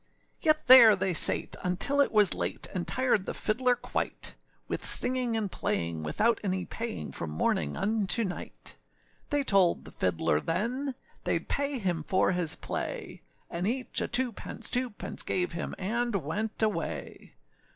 Yet there they sate, until it was late, And tired the fiddler quite, With singing and playing, without any paying, From morning unto night: They told the fiddler then, Theyâd pay him for his play; And each a two pence, two pence, Gave him, and went away.